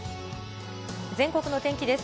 全国の天気です。